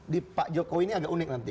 di pak jokowi ini agak unik nanti